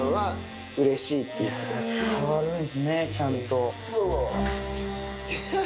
伝わるんですねちゃんと。